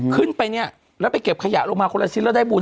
ขึ้นไปเนี่ยแล้วไปเก็บขยะลงมาคนละชิ้นแล้วได้บุญ